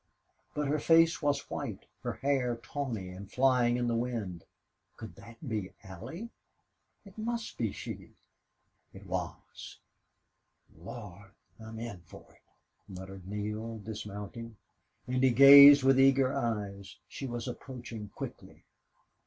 But her face was white, her hair tawny and flying in the wind. Could that be Allie? It must be she. It was. "Lord! I'm in for it!" muttered Neale, dismounting, and he gazed with eager eyes. She was approaching quickly.